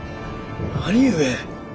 兄上。